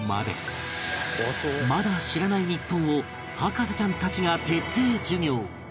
まだ知らない日本を博士ちゃんたちが徹底授業！